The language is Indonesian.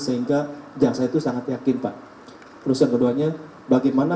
sehingga jaksa itu sangat yakin pak terus yang keduanya bagaimana